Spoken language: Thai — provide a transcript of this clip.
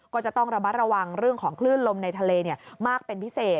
ก็จะต้องระมัดระวังเรื่องของคลื่นลมในทะเลมากเป็นพิเศษ